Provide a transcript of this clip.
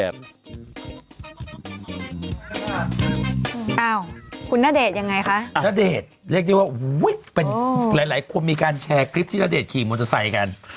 คุณนาเดตยังไงคะนาเดตเรียกได้ว่าอุ้ยเป็นหลายหลายคนมีการแชร์คลิปที่นาเดตขี่มอเตอร์ไซค์กัน